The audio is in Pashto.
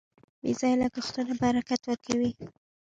بې ځایه لګښتونه برکت ورکوي.